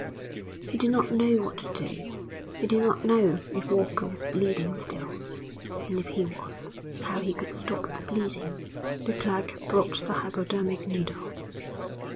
He did not know what to do. He did not know if Walker was bleeding still, and if he was, how he could stop the bleeding. The clerk brought the hypodermic needle.